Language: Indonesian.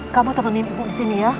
kamu tolong bantuin ibu disini ya